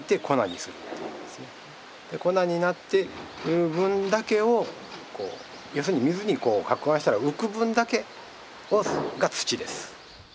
粉になってる分だけを要するに水に撹拌したら浮く分だけが土です。